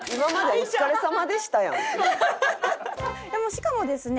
しかもですね